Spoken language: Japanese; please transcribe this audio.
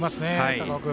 高尾君。